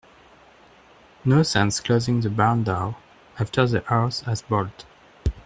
No sense closing the barn door after the horse has bolted.